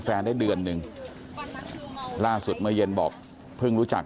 แฟนได้เดือนหนึ่งล่าสุดเมื่อเย็นบอกเพิ่งรู้จัก